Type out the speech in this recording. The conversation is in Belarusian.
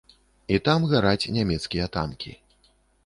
І там гараць нямецкія танкі.